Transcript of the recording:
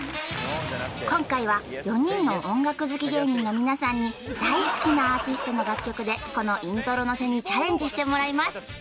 今回は４人の音楽好き芸人の皆さんに大好きなアーティストの楽曲でこのイントロ乗せにチャレンジしてもらいます